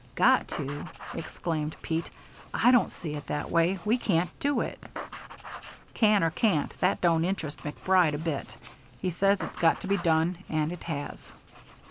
"Got to!" exclaimed Pete. "I don't see it that way. We can't do it." "Can or can't, that don't interest MacBride a bit. He says it's got to be done and it has."